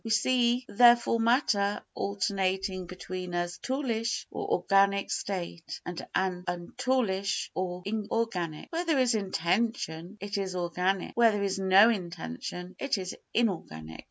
We see, therefore, matter alternating between a toolish or organic state and an untoolish or inorganic. Where there is intention it is organic, where there is no intention it is inorganic.